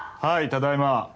ただいま。